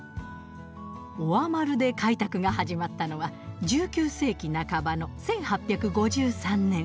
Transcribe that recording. オアマルで開拓が始まったのは１９世紀半ばの１８５３年。